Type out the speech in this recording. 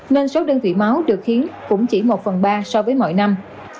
nên số đơn vị máu được khiến cũng chỉ một phần ba so với mọi năm